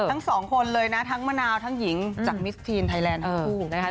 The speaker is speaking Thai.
ทั้งสองคนเลยนะทั้งมะนาวทั้งหญิงจากมิสทีนไทยแลนด์ทั้งคู่นะคะ